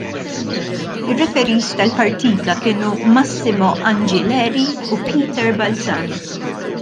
Ir-referis tal-partita kienu Massimo Angileri u Peter Balzan.